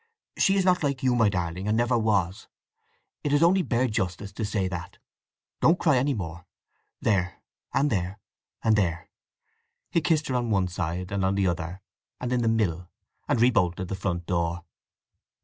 She is not like you, my darling, and never was: it is only bare justice to say that. Don't cry any more. There; and there; and there!" He kissed her on one side, and on the other, and in the middle, and rebolted the front door.